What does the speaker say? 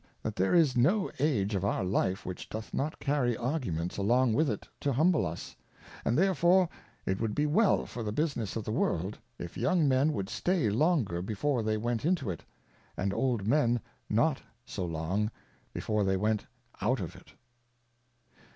That there is no Age of our Life which doth not carry Arguments along with it to humble us : and therefore it would be well for the Business of the World, if young Men would stay longer before they went into it, and old Men not so long before they went out of it.